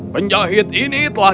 penjahit ini telah